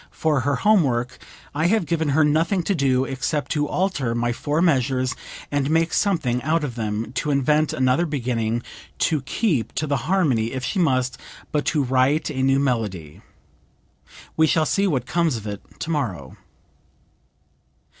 For her home work I have given her nothing to do except to alter my four measures and make something out of them, to invent another beginning, to keep to the harmony if she must, but to write a new melody. We shall see what comes of it tomorrow."